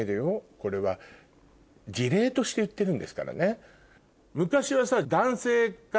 これは事例として言ってるんですからね。